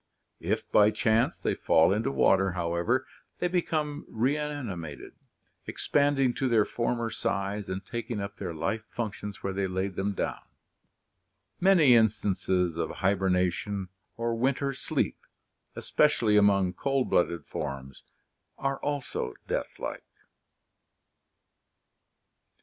If by chance they fall into water, however, they become reani mated, expanding to their former size and taking up their life functions where they laid them down. Many instances of hiberna tion or winter sleep, especially among cold blooded forms, are also death like.